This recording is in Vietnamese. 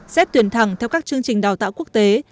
xét tuyển thẳng theo các chương trình đào tạo quốc tế